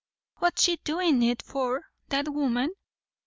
"What's she doin' it for, that woman?